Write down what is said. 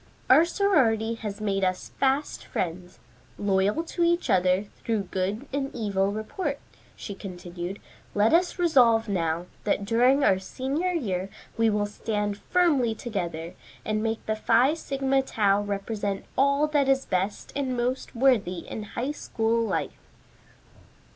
"Our sorority has made us fast friends, loyal to each other, through good and evil report," she continued. "Let us resolve now, that during our senior year we will stand firmly together, and make the Phi Sigma Tau represent all that is best and most worthy in High School life."